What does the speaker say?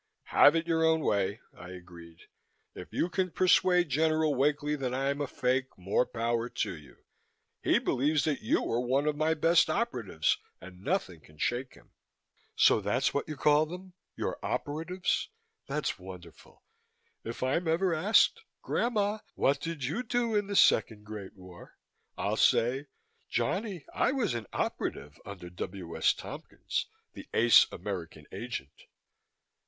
"Have it your own way," I agreed. "If you can persuade General Wakely that I'm a fake, more power to you. He believes that you are one of my best operatives and nothing can shake him." "So that's what you call them? Your operatives? That's wonderful. If I'm ever asked, 'Grandma, what did you do in the second Great War?' I'll say, Johnnie I was an operative under W. S. Tompkins, the ace American Agent."